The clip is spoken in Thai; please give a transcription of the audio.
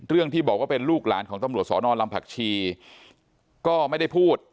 ที่บอกว่าเป็นลูกหลานของตำรวจสอนอนลำผักชีก็ไม่ได้พูด